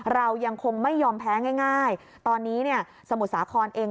เรายังคงไม่ยอมแพ้ง่ายตอนนี้เนี่ยสมุทรสาครเอง